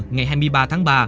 ngày hai mươi ba tháng ba